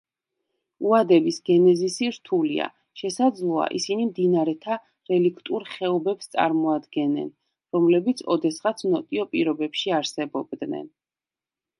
უადების გენეზისი რთულია, შესაძლოა ისინი მდინარეთა რელიქტურ ხეობებს წარმოადგენენ, რომლებიც ოდესღაც ნოტიო პირობებში არსებობდნენ.